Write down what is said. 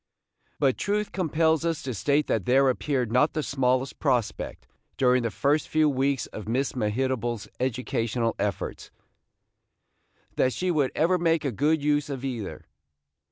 But truth compels us to state that there appeared not the smallest prospect, during the first few weeks of Miss Mehitable's educational efforts, that she would ever make a good use of either.